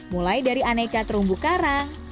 mulai dari aneka terumbu karang